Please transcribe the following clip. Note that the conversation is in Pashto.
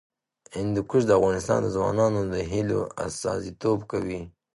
هندوکش د افغان ځوانانو د هیلو استازیتوب کوي.